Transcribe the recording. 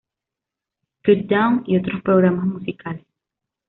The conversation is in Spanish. Countdown", y otros programas musicales.